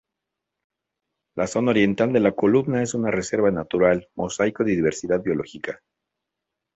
La zona oriental de la columna es una reserva natural, mosaico de diversidad biológica.